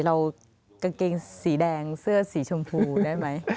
กางเกงสีแดงเสื้อสีชมพูได้ไหม